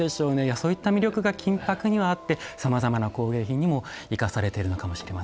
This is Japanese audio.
そういった魅力が金箔にはあってさまざまな工芸品にも生かされているのかもしれませんね。